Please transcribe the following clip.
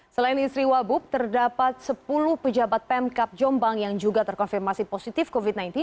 selain istri wabub terdapat sepuluh pejabat pemkap jombang yang juga terkonfirmasi positif covid sembilan belas